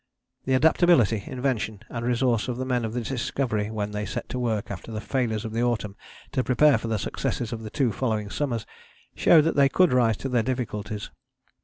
" The adaptability, invention and resource of the men of the Discovery when they set to work after the failures of the autumn to prepare for the successes of the two following summers showed that they could rise to their difficulties.